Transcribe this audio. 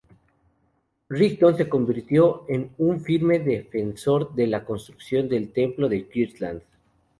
Rigdon se convirtió en un firme defensor de la construcción del Templo de Kirtland.